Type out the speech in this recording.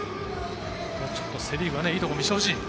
セ・リーグはいいところを見せてほしい。